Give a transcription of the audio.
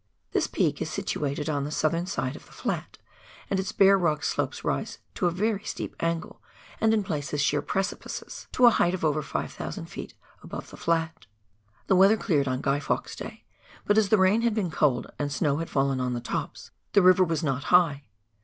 This peak is situated on the southern side of the flat, and its bare rock slopes rise to a very steep angle — and in places sheer precipices — to a height of over 5,000 ft. above the flat. The weather cleared on Guy Fawkes' day, but as the rain had been cold and snow had fallen on the tops, the river was not high.